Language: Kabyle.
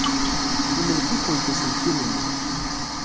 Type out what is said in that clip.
Imlek-ikent uselkim-nni.